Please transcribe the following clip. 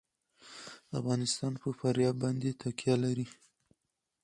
افغانستان په فاریاب باندې تکیه لري.